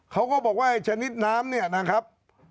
เขาก็บอกว่าชนิดน้ำเนี่ยนะครับ